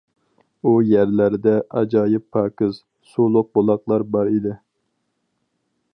ئۇ يەرلەردە، ئاجايىپ پاكىز، سۇلۇق بۇلاقلار بار ئىدى.